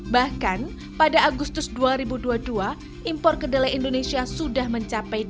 bahkan pada agustus dua ribu dua puluh dua impor kedelai indonesia sudah mencapai dua lima juta ton